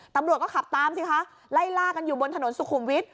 ตำรวจก็ขับตามสิคะไล่ล่ากันอยู่บนถนนสุขุมวิทย